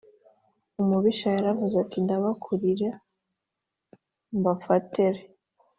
umubisha yaravuze ati ndabakurikira mbafate re